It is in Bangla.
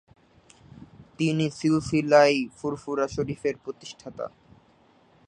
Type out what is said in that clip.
তিনি "সিলসিলা-ই-ফুরফুরা শরীফ" এর প্রতিষ্ঠাতা।